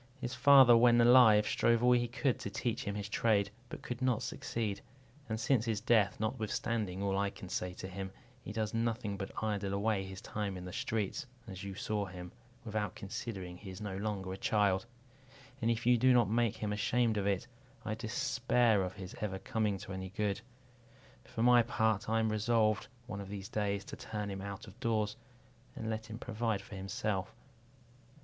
His father, when alive, strove all he could to teach him his trade, but could not succeed; and since his death, notwithstanding all I can say to him, he does nothing but idle away his time in the streets, as you saw him, without considering he is no longer a child; and if you do not make him ashamed of it, I despair of his ever coming to any good. For my part, I am resolved, one of these days, to turn him out of doors, and let him provide for himself."